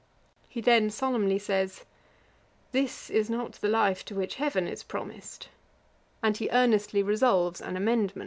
He then solemnly says, 'This is not the life to which heaven is promised;' and he earnestly resolves an amendment.